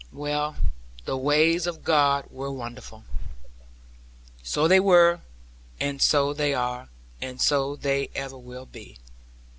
Well, the ways of God were wonderful! So they were, and so they are; and so they ever will be.